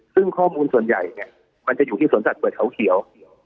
ซึ่งข้อมูลส่วนใหญ่มันจะอยู่ที่สนศัตริย์เปิดทะวันเขียว